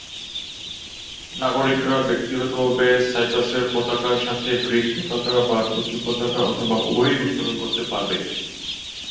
নাগরিকরা ব্যক্তিগতভাবে সাইপ্রাসের পতাকার সাথে গ্রিক পতাকা বা তুর্কি পতাকা অথবা উভয়ই উত্তোলন করতে পারবে।